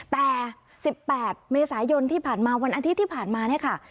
แต่๑๘เมษายนที่ผ่านมาวันอาทิตย์ที่ผ่านมาเนี่ยค่ะ